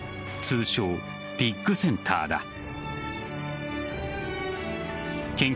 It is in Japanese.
通称・ピッグセンターだ。